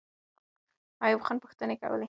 ایوب خان پوښتنې کولې.